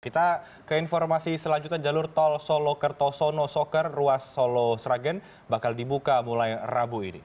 kita ke informasi selanjutnya jalur tol solo kertosono soker ruas solo sragen bakal dibuka mulai rabu ini